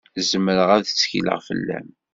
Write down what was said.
Zemreɣ ad tekkleɣ fell-am?